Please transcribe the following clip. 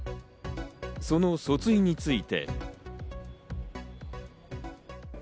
その訴追について。